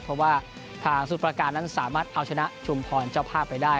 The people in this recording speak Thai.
เพราะว่าทางสมุทรประการนั้นสามารถเอาชนะชุมพรเจ้าภาพไปได้